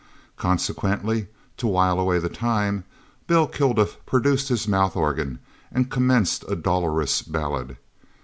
Consequently, to while away the time, Bill Kilduff produced his mouth organ and commenced a dolorous ballad.